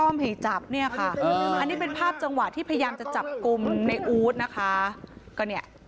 ไม่ได้แบบโอ้โหตำรวจห้านายไปรุมทำร้าย